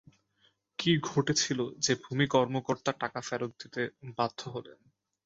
কী ঘটেছিল যে ভূমি কর্মকর্তা টাকা ফেরত দিতে বাধ্য হলেন?